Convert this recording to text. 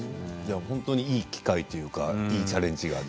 本当にいい機会というかいいチャレンジで。